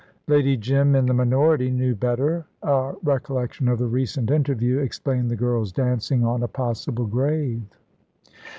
Lady Jim, in the minority, knew better. A recollection of the recent interview explained the girl's dancing on a possible grave.